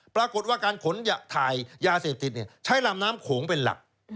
ปรากฏว่าการขนถ่ายยาเสพติดใช้ลำน้ำโขงเป็นหลัก